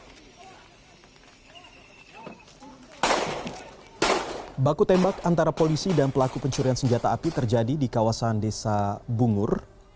pelaku tembak antara polisi dan pelaku pencurian senjata api terjadi di kawasan desa bungur